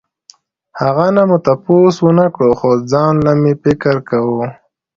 هغو نه مو تپوس ونکړو خو ځانله مې فکر کوو